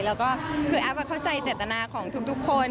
แล้วก็คือแอฟเข้าใจเจตนาของทุกคน